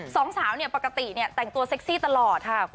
สองสาวเนี้ยปกติเนี้ยแต่งตัวเซ็กซี่ตลอดค่ะคุณ